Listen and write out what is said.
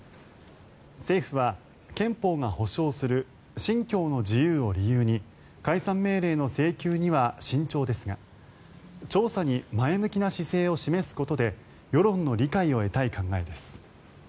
政府は憲法が保障する信教の自由を理由に解散命令の請求には慎重ですが調査に前向きな姿勢を示すことで世論の理解を得たい考えです。